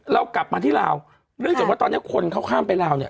เรากลับมาที่ลาวเนื่องจากว่าตอนนี้คนเขาข้ามไปลาวเนี่ย